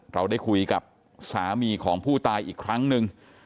เราได้คุยกับสามีของผู้ตายอีกครั้งหนึ่ง